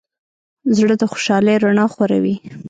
زړه د خوشحالۍ رڼا خوروي.